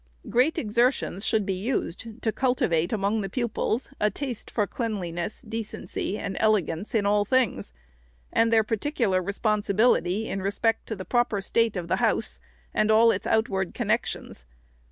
Great exertions should be used to cultivate among the pupils a taste for cleanliness, decency, and elegance in all things, and their particular responsibility in respect to the proper state of the house, and all its outward connections.